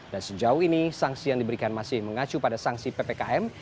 dan sejauh ini sanksi yang diberikan masih mengacu pada sanksi ppkm